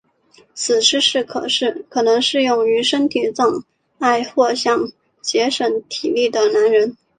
此姿势可能适用于身体障碍或想节省体力的男人。